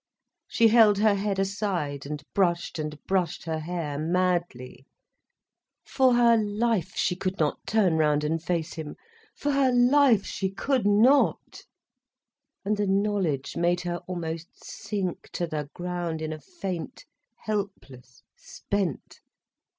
She held her head aside and brushed and brushed her hair madly. For her life, she could not turn round and face him. For her life, she could not. And the knowledge made her almost sink to the ground in a faint, helpless, spent.